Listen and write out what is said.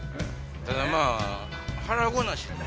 ただまぁ腹ごなしにね。